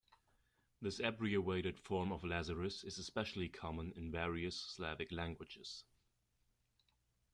This abbreviated form of Lazarus is especially common in various Slavic languages.